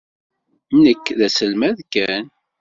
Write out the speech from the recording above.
Nekk d aselmad kan.